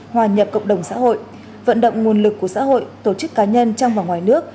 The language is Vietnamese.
hòa nhập cộng đồng xã hội vận động nguồn lực của xã hội tổ chức cá nhân trong và ngoài nước